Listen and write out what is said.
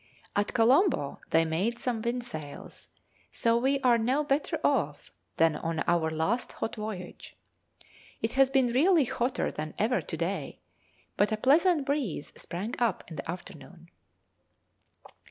At Colombo they made some windsails, so we are now better off than on our last hot voyage. It has been really hotter than ever to day, but a pleasant breeze sprang up in the afternoon.